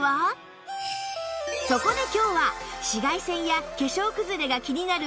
そこで今日は紫外線や化粧崩れが気になる